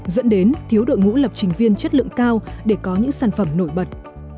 dẫn đến thiếu đội ngũ lập trình viên chất lượng cao để có những sản phẩm nổi bật